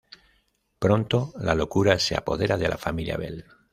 Pronto la locura se apodera de la familia Bell.